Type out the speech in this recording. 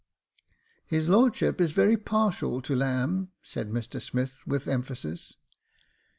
" His lordship is very partial to lamb," said Mr Smith, with emphasis.